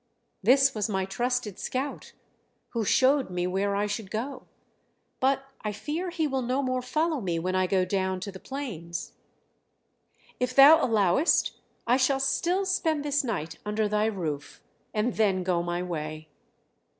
"This was my trusted scout, who showed me where I should go; but I fear he will no more follow me when I go down to the plains. If thou allowest I shall still spend this night under thy roof and then go my way."